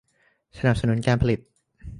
สนับสนุนการผลิต